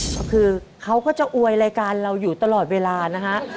ก็คือเขาก็จะอวยรายการเราอยู่ตลอดเวลานะฮะ